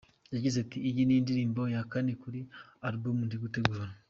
Yagize ati “iyi ni indirimbo ya kane kuri album ndi gutegura.